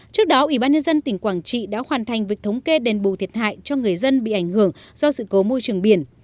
trước đó ủy ban nhân dân tỉnh quảng trị đã hoàn thành việc thống kê đền bù thiệt hại cho người dân bị ảnh hưởng do sự cố môi trường biển